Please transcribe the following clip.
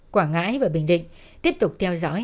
quảng ngãi và bình định tiếp tục theo dõi